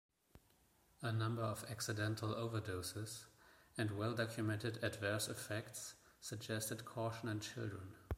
A number of accidental overdoses and well-documented adverse effects suggested caution in children.